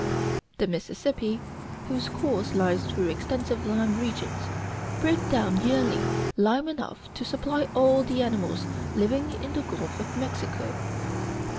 The Mississippi, whose course lies through extensive lime regions, brings down yearly lime enough to supply all the animals living in the Gulf of Mexico.